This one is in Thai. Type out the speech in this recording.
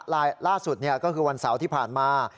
ล่าสุดเนี่ยก็คือวันเสาร์ที่ผ่านมา